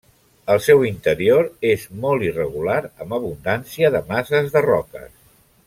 El seu interior és molt irregular amb abundància de masses de roques.